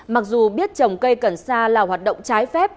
mặc dù biết trồng cây cần sa là hoạt động trái phép